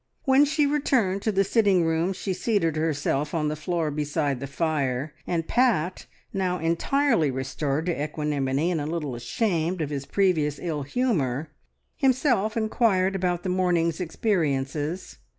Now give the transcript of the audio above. When she returned to the sitting room she seated herself on the floor beside the fire, and Pat, now entirely restored to equanimity and a little ashamed of his previous ill humour, himself inquired about the morning's experiences.